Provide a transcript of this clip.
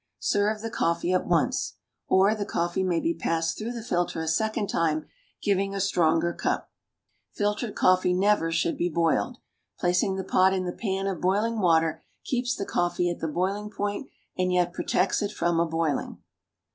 Serve the coffee at once. Or, the coffee may be passed through the filter a second time, giving a stronger cup. Filtered coffee never should be boiled. Placing the pot in the pan of boiling water keeps the coffee at the boiling point, and yet protects it from a boiling.